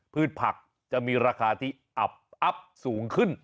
พืชผักจะมีราคาที่อับอัพสูงขึ้น